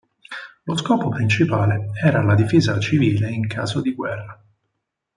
Lo scopo principale era la difesa civile in caso di guerra.